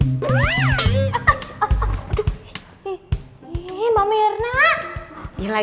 masakannya udah kelar belum